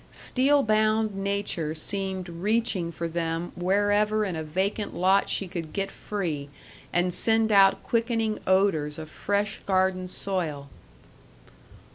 Steel bound nature seemed reaching for them wherever in a vacant lot she could get free and send out quickening odors of fresh garden soil.